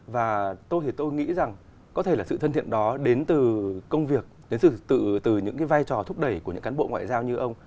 và tôi thì tôi nghĩ rằng có thể là sự thân thiện đó đến từ công việc đến sự từ những cái vai trò thúc đẩy của những cán bộ ngoại giao như ông